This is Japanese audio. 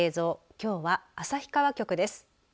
きょうは旭川局です。